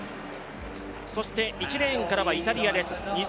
１レーンからはイタリアです